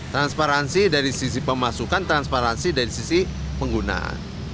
transparansi dari sisi pemasukan transparansi dari sisi penggunaan